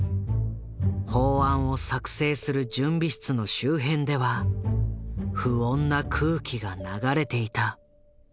法案を作成する準備室の周辺では不穏な空気が流れていた。